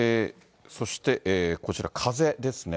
そしてこちら、風ですね。